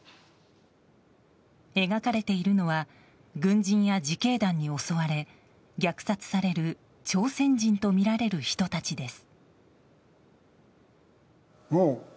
描かれているのは軍人や自警団に襲われ虐殺される朝鮮人とみられる人たちです。